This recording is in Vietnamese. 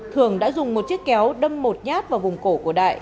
thường đã dùng một chiếc kéo đâm một nhát vào vùng cổ của đại